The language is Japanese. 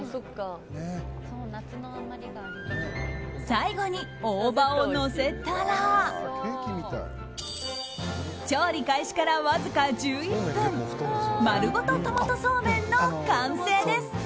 最後に大葉をのせたら調理開始から、わずか１１分丸ごとトマトそうめんの完成です。